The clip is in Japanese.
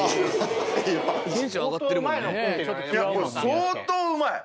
相当うまい。